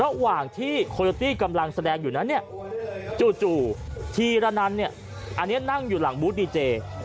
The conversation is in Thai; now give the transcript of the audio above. ระหว่างที่โคโยตี้กำลังแสดงอยู่นั้นเนี่ยจู่ธีระนันเนี่ยอันนี้นั่งอยู่หลังบูธดีเจ